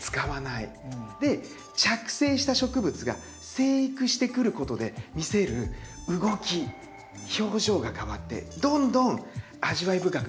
で着生した植物が生育してくることで見せる動き表情が変わってどんどん味わい深くなってくるんですよ。